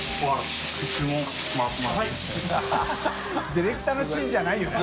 ディレクターの指示じゃないよね。